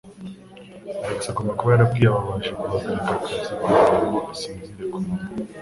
Alex agomba kuba yarabwiye ababaji guhagarika akazi kugirango asinzire kumanywa.